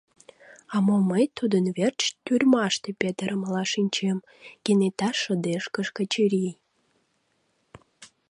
«А мом мый тудын верч тюрьмаште петырымыла шинчем! — кенета шыдешкыш Качырий.